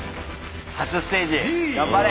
初ステージ頑張れ！